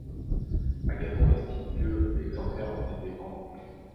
Agathon estime que exemplaires ont été vendus.